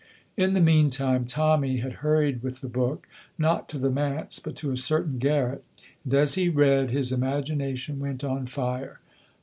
In the meantime Tommy had hurried with the book, not to the manse, but to a certain garret, and as he read, his imagination went on fire.